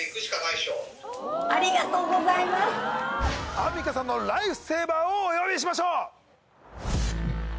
アンミカさんのライフセイバーをお呼びしましょう！